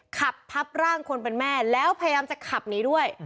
ขับทับร่างคนเป็นแม่แล้วพยายามจะขับหนีด้วย